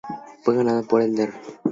Fue ganado por el Dr.